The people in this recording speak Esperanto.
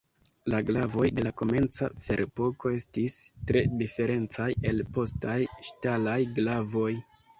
La glavoj de la komenca Ferepoko estis tre diferencaj el postaj ŝtalaj glavoj.